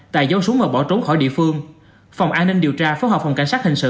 tài dấu súng và bỏ trốn khỏi địa phương phòng an ninh điều tra phối hợp phòng cảnh sát hình sự